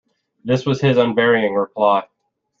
This was his unvarying reply.